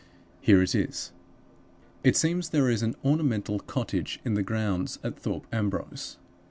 Here it is. "It seems there is an ornamental cottage in the grounds at Thorpe Ambrose.